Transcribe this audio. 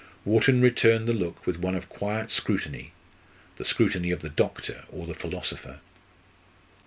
Wharton returned the look with one of quiet scrutiny the scrutiny of the doctor or the philosopher.